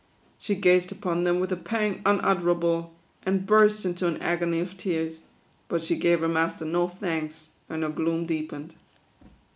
She gazed upon them with a pang un utterable, and burst into an agony of tears ; but she gave her master no thanks, and her gloom deepened.